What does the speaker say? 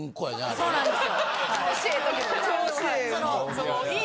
そうなんですよ。